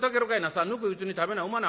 さあぬくいうちに食べなうまない。